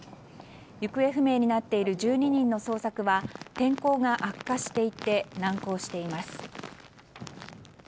行方不明になっている１２人の捜索は天候が悪化していて難航しています。